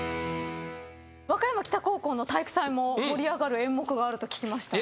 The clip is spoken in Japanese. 和歌山北高校の体育祭も盛り上がる演目があると聞きました。